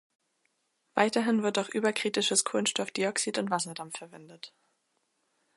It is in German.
Weiterhin wird auch überkritisches Kohlenstoffdioxid und Wasserdampf verwendet.